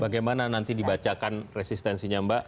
bagaimana nanti dibacakan resistensinya mbak